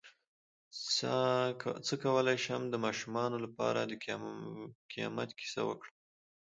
څ�ه کولی شم د ماشومانو لپاره د قیامت کیسه وکړم